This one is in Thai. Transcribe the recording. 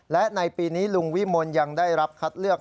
และในปีนี้ลุงวิมลยังได้รับคัดเลือก